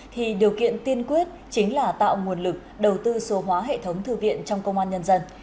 thì điều kiện tiên quyết chính là tạo nguồn lực đầu tư số hóa hệ thống thư viện trong công an nhân dân